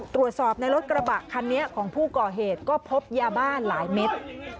ตรวจสอบในรถกระบะคันนี้ของผู้ก่อเหตุก็พบยาบ้าหลายเม็ด